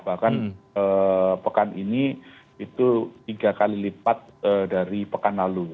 bahkan pekan ini itu tiga kali lipat dari pekan lalu